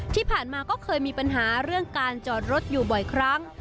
ที่ผ่านมาก็เคยมีปัญหาเรื่องการจอดรถอยู่บ่อยครั้ง